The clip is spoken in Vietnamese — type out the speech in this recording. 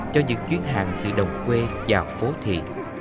cho những chuyến hàng từ đồng quê vào phố thị